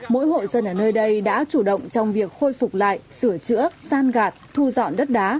mỗi hộ dân ở nơi đây đã chủ động trong việc khôi phục lại sửa chữa san gạt thu dọn đất đá